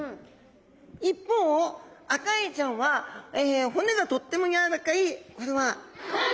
一方アカエイちゃんは骨がとっても軟らかい。